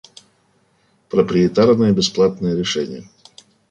Проприетарное бесплатное решение